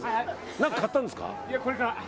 何か買ったんですか？